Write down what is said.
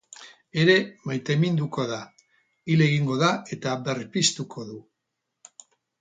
Ere maiteminduko da, hil egingo da eta berpiztuko du.